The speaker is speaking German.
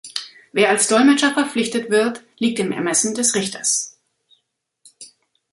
Wer als Dolmetscher verpflichtet wird, liegt im Ermessen des Richters.